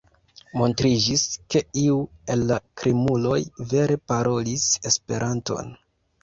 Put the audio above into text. Montriĝis, ke iu el la krimuloj vere parolis Esperanton.